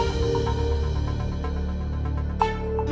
aku mau ke rumah